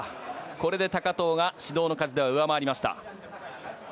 これで高藤が指導の数では上回りました。